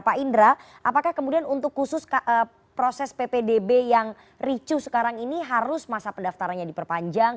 pak indra apakah kemudian untuk khusus proses ppdb yang ricu sekarang ini harus masa pendaftarannya diperpanjang